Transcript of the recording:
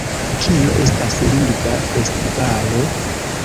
Kio estas Lingva Festivalo?